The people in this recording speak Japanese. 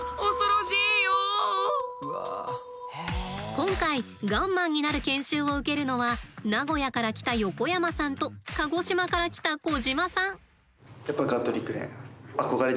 今回ガンマンになる研修を受けるのは名古屋から来た横山さんと鹿児島から来た小島さん。